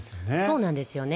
そうなんですよね。